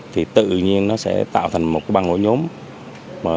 thì tự nhiên nó sẽ tạo thành một cái băng ổ nhóm